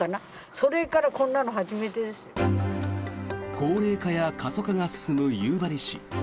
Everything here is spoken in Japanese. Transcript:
高齢化や過疎化が進む夕張市。